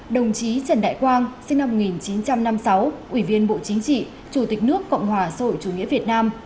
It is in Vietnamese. đồng chí trần đại quang sinh năm một nghìn chín trăm năm mươi sáu ủy viên bộ chính trị chủ tịch nước cộng hòa xã hội chủ nghĩa việt nam